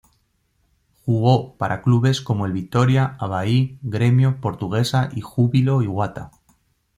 Jugó para clubes como el Vitória, Avaí, Grêmio, Portuguesa y Júbilo Iwata.